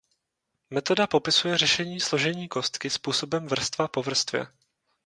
Metoda popisuje řešení složení kostky způsobem vrstva po vrstvě.